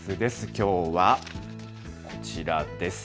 きょうはこちらです。